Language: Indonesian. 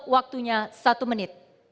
waktunya satu menit